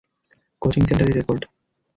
Coaching সেন্টারের record.